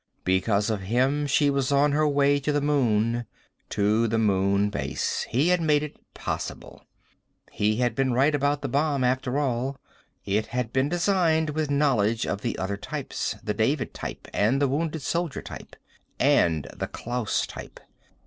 Because of him she was on her way to the moon, to the Moon Base. He had made it possible. He had been right about the bomb, after all. It had been designed with knowledge of the other types, the David Type and the Wounded Soldier Type. And the Klaus Type.